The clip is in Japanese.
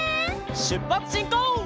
しゅっぱつしんこう！